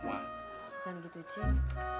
bukan gitu cing